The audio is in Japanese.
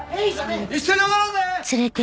一緒に踊ろうぜ！